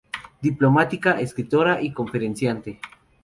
Diplomática, escritora y conferenciante.